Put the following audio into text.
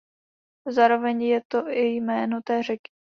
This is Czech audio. Zároveň je to i jméno té řeky.